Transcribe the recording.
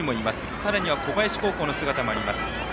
さらには小林高校の姿もあります。